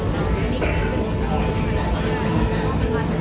แล้วการรู้สึกว่ามันเป็นสิ่งที่ไม่ใช่